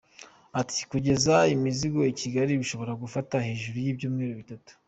Ati “Kugeza imizigo i Kigali bishobora gufata hejuru y’ibyumweru bitatu.